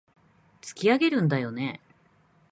突き上げるんだよね